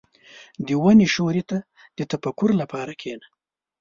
• د ونې سیوري ته د تفکر لپاره کښېنه.